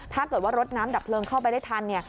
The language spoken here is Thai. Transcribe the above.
ถ้าเกิดว่ารถน้ำดับเพลิงเข้าไปได้ทันเนี่ย